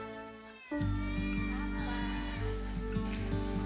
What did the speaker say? ketika overpopulasi itu tidak bisa ditekan